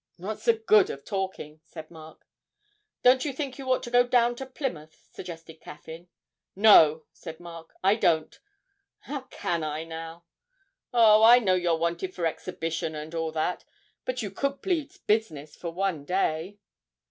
'What's the good of talking?' said Mark. 'Don't you think you ought to go down to Plymouth?' suggested Caffyn. 'No,' said Mark, 'I don't. How can I, now?' 'Oh, I know you're wanted for exhibition, and all that, but you could plead business for one day.'